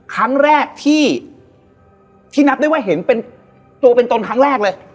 ครั้งแรกที่นับได้ว่าเห็นเป็นตัวเป็นตนครั้งแรกเลย